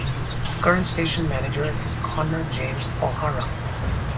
The current station manager is Connor James O'Hara.